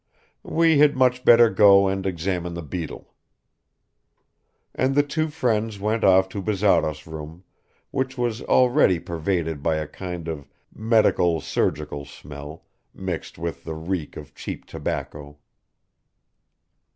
We had much better go and examine the beetle." And the two friends went off to Bazarov's room, which was already pervaded by a kind of medical surgical smell, mixed with the reek of cheap tobacco.